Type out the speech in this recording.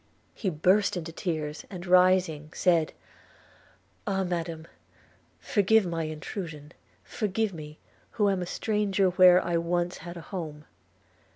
He burst into tears; and rising said – 'Ah, Madam! forgive my intrusion, forgive me, who am a stranger where I had once a home.